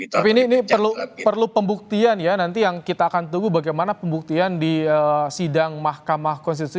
tapi ini perlu pembuktian ya nanti yang kita akan tunggu bagaimana pembuktian di sidang mahkamah konstitusi